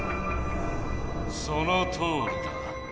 そのとおりだ。